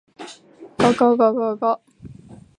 がががががが